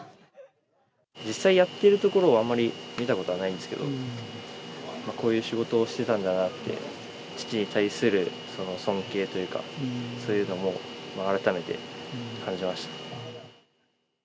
実際やってるところをあんまり見たことはないんですけど、こういう仕事をしてたんだなって、父に対する尊敬というか、そういうのも改めて感じました。